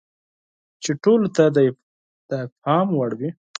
چې ټولو ته د افهام وړ وي.